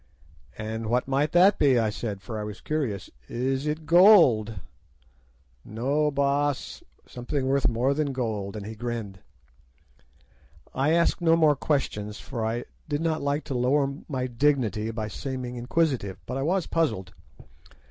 "'And what might that be?' I said, for I was curious. 'Is it gold?' "'No, Baas, something worth more than gold,' and he grinned. "I asked no more questions, for I did not like to lower my dignity by seeming inquisitive, but I was puzzled.